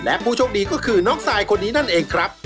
และผู้โชคดีก็คือน้องซายคนนี้นั่นเองครับ